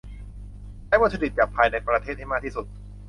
ใช้วัตถุดิบจากภายในประเทศให้มากที่สุด